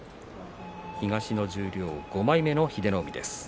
東の十両５枚目の英乃海です。